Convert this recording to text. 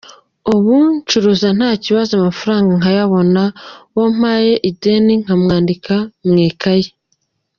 Ubu ncuruza nta kibazo amafaranga nkayabona, uwo mpaye ideni nkamwandika mu ikayi.